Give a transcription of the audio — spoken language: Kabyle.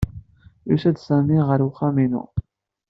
Yusa-d Sami ɣer uxxam-inu.